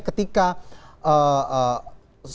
ketika keputusan itu lancar